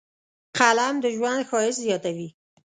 قلم د ژوند ښایست زیاتوي